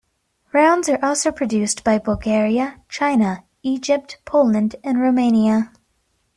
Rounds are also produced by Bulgaria, China, Egypt, Poland, and Romania.